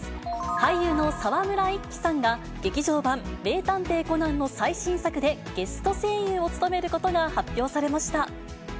俳優の沢村一樹さんが、劇場版名探偵コナンの最新作で、ゲスト声優を務めることが発表されました。